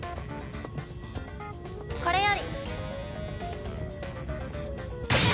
これより。